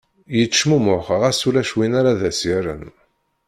Yettecmumuḥ ɣas ulac win ara ad as-yerren.